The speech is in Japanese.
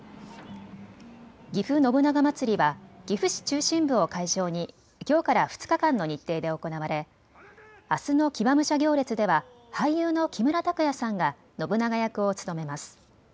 ぎふ信長まつりは岐阜市中心部を会場にきょうから２日間の日程で行われあすの騎馬武者行列では俳優の木村拓哉さんが信長役を務めます。